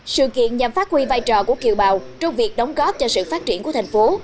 sự kiện nhằm phát huy vai trò của kiều bào trong việc đóng góp cho sự phát triển của thành phố